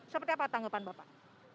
seperti apa tanggapan bapak